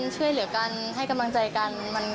ช่วยเหลือกันให้กำลังใจกัน